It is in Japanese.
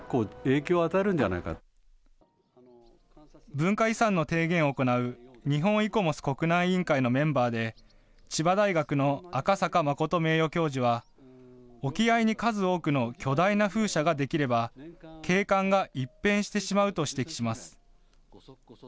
文化遺産の提言を行う日本イコモス国内委員会のメンバーで千葉大学の赤坂信名誉教授は沖合に数多くの巨大な風車ができれば景観が一変してしまうと指摘します。